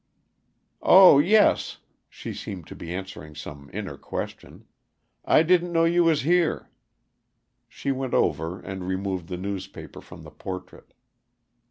"Oh yes!" She seemed to be answering some inner question. "I didn't know you was here." She went over and removed the newspaper from the portrait.